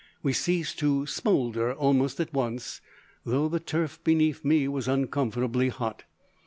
We ceased to smoulder almost at once, though the turf beneath me was uncomfortably hot.